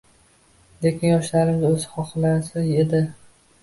Lekin yoshlarimiz o‘zi xohlasa edi.